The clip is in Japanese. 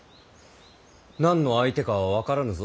何の相手かは分からぬぞ。